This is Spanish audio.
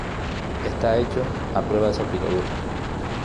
Está hecho a prueba de salpicaduras.